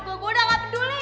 bongkar aja sama laki gue